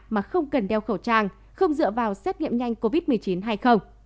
mà không cần đeo khẩu trang không dựa vào xét nghiệm nhanh covid một mươi chín hay không